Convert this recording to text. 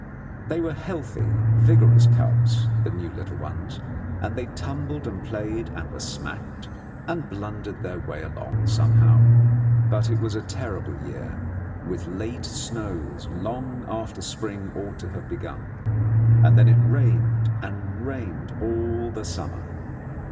They were healthy, vigorous cubs, the new little ones, and they tumbled and played and were smacked, and blundered their way along somehow. But it was a terrible year, with late snows long after spring ought to have begun; and then it rained and rained all the summer.